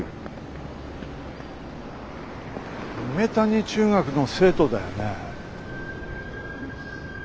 梅谷中学の生徒だよね。